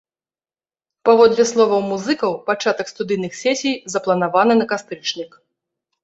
Паводле словаў музыкаў, пачатак студыйных сесій запланаваны на кастрычнік.